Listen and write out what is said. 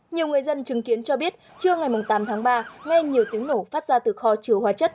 nhiều người dân chứng kiến cho biết trưa ngày tám tháng ba ngay nhiều tiếng nổ phát ra từ kho chứa hóa chất